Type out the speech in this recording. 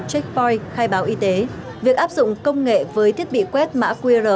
checkpoint khai báo y tế việc áp dụng công nghệ với thiết bị quét mã qr